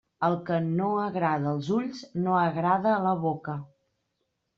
El que no agrada als ulls, no agrada a la boca.